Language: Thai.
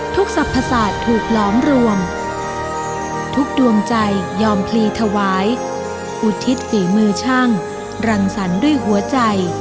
สรรพศาสตร์ถูกหลอมรวมทุกดวงใจยอมพลีถวายอุทิศฝีมือช่างรังสรรค์ด้วยหัวใจ